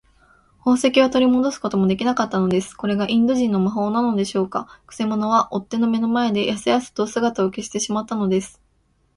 宝石をとりもどすこともできなかったのです。これがインド人の魔法なのでしょうか。くせ者は追っ手の目の前で、やすやすと姿を消してしまったのです。